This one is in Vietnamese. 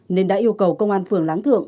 nên đã yêu cầu công an phường láng thượng